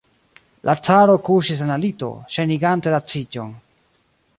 La caro kuŝis en la lito, ŝajnigante laciĝon.